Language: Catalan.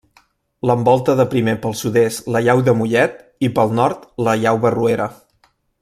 L'envolta de primer pel sud-est la Llau de Mollet i pel nord la Llau Barruera.